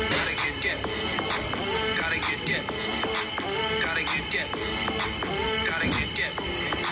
ต้องกินตาย